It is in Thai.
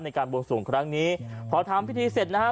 ในการบวงสวงครั้งนี้พอทำพิธีเสร็จนะฮะ